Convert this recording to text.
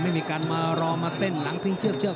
ไม่มีการมารอมาเป็นหลังเพิ่งเชื้อบเชื้อบ